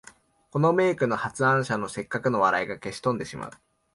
この名句の発案者の折角の笑いが消し飛んでしまう